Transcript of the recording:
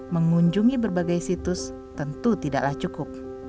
mengunjungi berbagai situs tentu tidaklah cukup